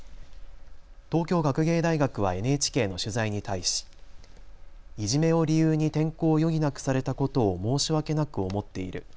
東京学芸大学はＮＨＫの取材に対しいじめを理由に転校を余儀なくされたことを申し訳なく思っている。